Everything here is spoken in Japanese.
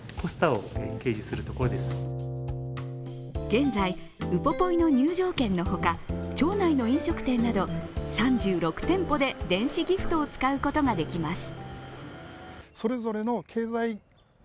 現在、ウポポイの入場券のほか、町内の飲食店など電子ギフトを使うことができます。